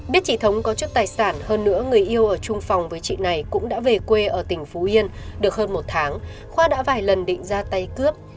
biết chị thống có chút tài sản hơn nữa người yêu ở trung phòng với chị này cũng đã về quê ở tỉnh phú yên được hơn một tháng khoa đã vài lần định ra tay cướp